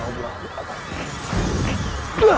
kau tak bisa brit ruho